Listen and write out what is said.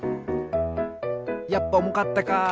やっぱおもかったか。